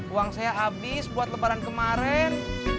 uang saya habis buat lebaran kemarin